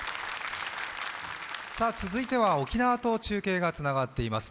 続いては、沖縄と中継がつながっています。